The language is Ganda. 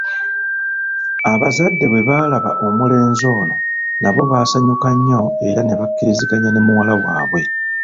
Abazadde bwebaalaba omulenzi ono nabo baasanyuka nnyo era ne bakkiriziganya ne muwala waabwe.